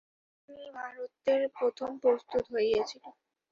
চিনি ভারতে প্রথম প্রস্তুত হইয়াছিল।